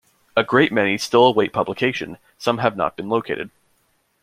A great many still await publication; some have not yet been located.